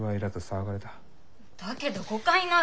だけど誤解なら。